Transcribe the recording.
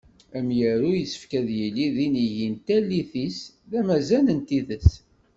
Amyaru yessefk ad yili d inigi n tallit-is, d amazan n tidet.